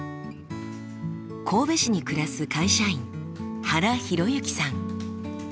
神戸市に暮らす会社員原弘幸さん。